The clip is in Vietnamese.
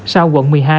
sau quận một mươi hai